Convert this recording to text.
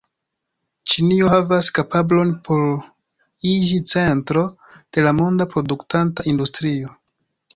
Ĉinio havas kapablon por iĝi centro de la monda produktanta industrio.